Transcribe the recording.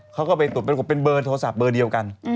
เขาก็ไปตรวจปรากฏเป็นเบอร์โทรศัพท์เบอร์เดียวกัน